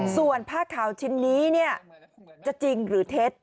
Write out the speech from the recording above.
ส่วนผ้าขาวชิ้นนี้จะจริงหรือเท็จ